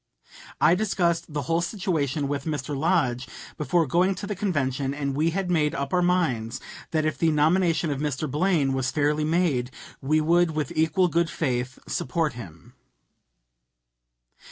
I discussed the whole situation with Mr. Lodge before going to the convention, and we had made up our minds that if the nomination of Mr. Blaine was fairly made we would with equal good faith support him.